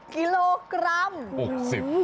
๖๐กิโลกรัม